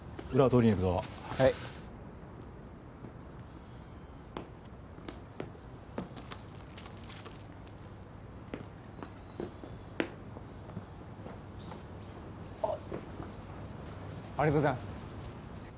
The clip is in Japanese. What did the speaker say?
ありがとうございます。